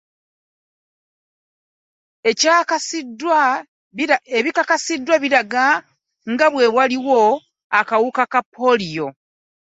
Ebyakakasiddwa biraga nga bwe waliwo akawuka ka Polio